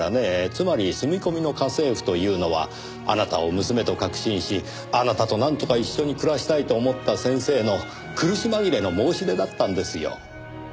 つまり住み込みの家政婦というのはあなたを娘と確信しあなたとなんとか一緒に暮らしたいと思った先生の苦し紛れの申し出だったんですよ。